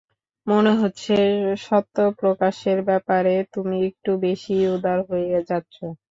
মনে হচ্ছে, সত্য প্রকাশের ব্যাপারে তুমি একটু বেশিই উদার হয়ে যাচ্ছ।